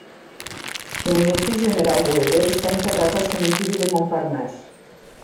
El metge general Weber està enterrat al cementiri de Montparnasse.